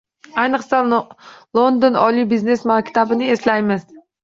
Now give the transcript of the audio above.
Ayniqsa, London oliy biznes maktabini eslaymiz